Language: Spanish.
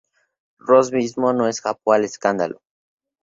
Ross mismo no escapó al escándalo.